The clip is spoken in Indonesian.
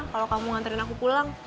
kalau kamu nganterin aku pulang